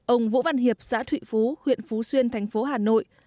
ông vũ văn hiệp xã thụy phú huyện phú xuyên thành phố hà nội